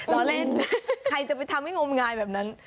ล้อเล่นใครจะไปทำให้งมงายแบบนั้น